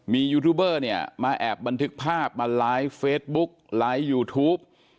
มียูทูบเบอร์เนี่ยมาแอบบันทึกภาพมาไลฟ์เฟซบุ๊กไลฟ์ยูทูป